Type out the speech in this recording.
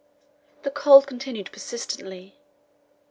The cold continued persistently.